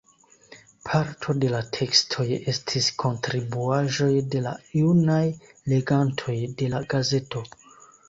Parto de la tekstoj estis kontribuaĵoj de la junaj legantoj de la gazeto.